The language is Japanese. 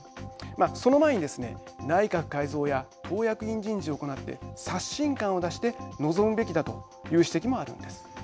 その前にですね内閣改造や党役員人事を行って刷新感を出して臨むべきだという指摘もあるんです。